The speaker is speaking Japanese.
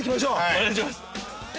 ◆お願いします。